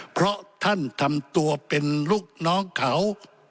เพราะท่านทำตัวเป็นลูกน้องเขา